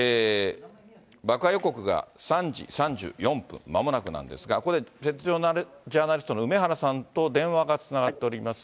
爆破予告が３時３４分、まもなくなんですが、ここで鉄道ジャーナリストの梅原さんと電話がつながっております。